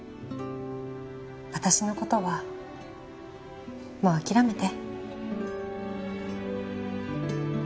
私の事はもう諦めて。